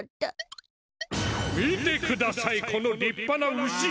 見てくださいこのりっぱな牛！